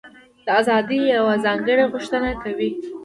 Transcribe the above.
دا ازادي یوه ځانګړې غوښتنه کوي.